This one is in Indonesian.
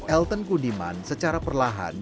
elton kundiman secara perlahan lahan